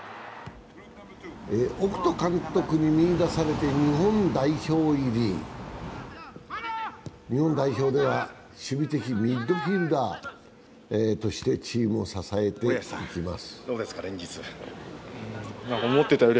オフト監督に見いだされて、日本代表入り、日本代表では守備敵ミッドフィルダーとしてチームを支えていきます。